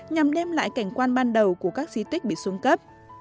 nhằm đem lại cảnh quan ban đầu của các di tích bị xuống cấp